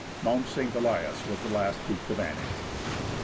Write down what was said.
Mount St. Elias was the last peak to vanish.